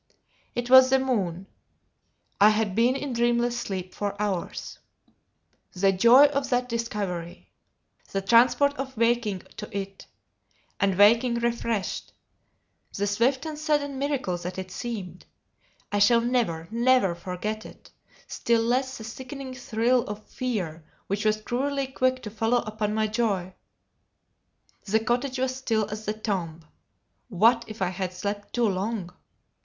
It was the moon. I had been in dreamless sleep for hours. The joy of that discovery! The transport of waking to it, and waking refreshed! The swift and sudden miracle that it seemed! I shall never, never forget it, still less the sickening thrill of fear which was cruelly quick to follow upon my joy. The cottage was still as the tomb. What if I had slept too long!